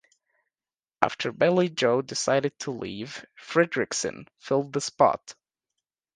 After Billie Joe decided to leave, Frederiksen filled the spot.